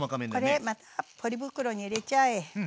これまたポリ袋に入れちゃえ。